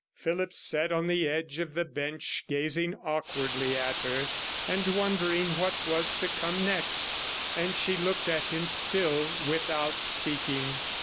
Phillipps sat on the edge of the bench gazing awkwardly at her, and wondering what was to come 37 next, and she looked at him still without speaking.